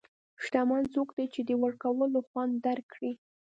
شتمن څوک دی چې د ورکولو خوند درک کړي.